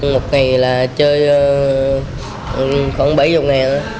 một ngày là chơi khoảng bảy mươi nghìn đồng